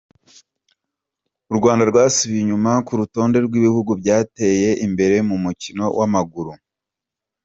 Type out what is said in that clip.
U Rwanda rwasubiye inyuma ku rutonde rwibihugu byateye imbere mumukino wamaguru